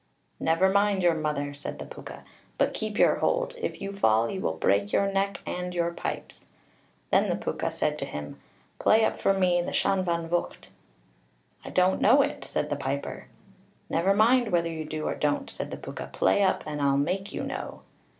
"Never mind your mother," said the Púca, "but keep your hold. If you fall, you will break your neck and your pipes." Then the Púca said to him, "Play up for me the 'Shan Van Vocht' (an t seann bhean bhocht)." "I don't know it," said the piper. "Never mind whether you do or you don't," said the Púca. "Play up, and I'll make you know."